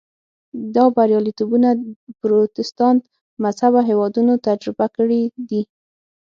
دا بریالیتوبونه پروتستانت مذهبه هېوادونو تجربه کړي دي.